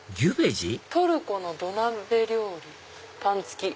「トルコの土鍋料理」「パン付」。